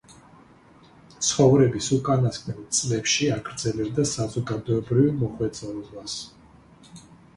ცხოვრების უკანასკნელ წლებში აგრძელებდა საზოგადოებრივ მოღვაწეობას.